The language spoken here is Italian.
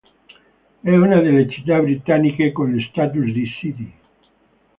È una delle città britanniche con lo status di "City".